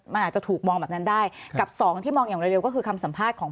มันอาจจะถูกมองแบบนั้นได้กับสองที่มองอย่างเร็วก็คือคำสัมภาษณ์ของ